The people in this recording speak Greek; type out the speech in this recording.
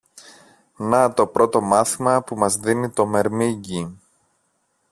Να το πρώτο μάθημα που μας δίνει το μερμήγκι.